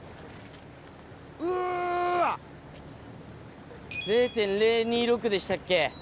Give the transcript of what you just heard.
うわ‼０．０２６でしたっけ？